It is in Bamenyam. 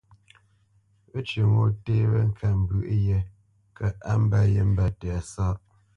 Wécyə̌ té wé ŋkambwə̌ yē kə̂ á mbə̄ yé mbə̄ tɛ̌sáʼ.